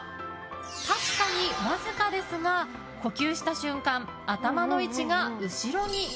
確かにわずかですが呼吸した瞬間、頭の位置が後ろに。